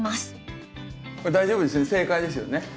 これ大丈夫ですよね？